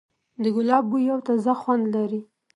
د ګلاب بوی یو تازه خوند لري.